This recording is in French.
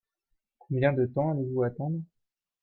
Combien de temps allez-vous attendre ?